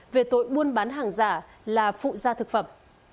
về tội buôn bán hàng giả là phụ gia thực phẩm